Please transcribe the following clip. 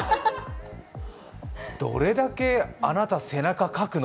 どれだけあなた背中かくの？